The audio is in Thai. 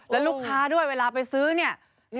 แล้วลูกค้าด้วยเวลาไปซื้อเนี่ย